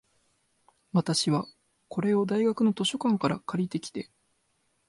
私は、これを大学の図書館から借りてきて、